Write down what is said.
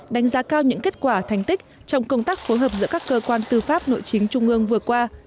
đánh giá cao những kết quả thành tích trong công tác phối hợp giữa các cơ quan tư pháp nội chính trung ương vừa qua